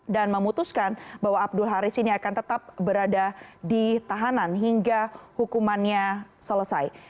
dan memutuskan bahwa abdul haris ini akan tetap berada di tahanan hingga hukumannya selesai